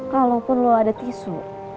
kalaupun lo ada tisu